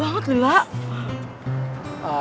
emang kita tuh barusan